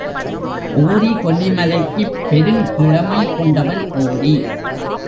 ஓரி கொல்லிமலைக்குப் பெருங்கிழமை கொண்டவன் ஓரி.